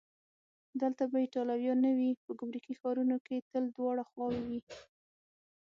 دلته به ایټالویان نه وي؟ په ګمرکي ښارونو کې تل دواړه خواوې وي.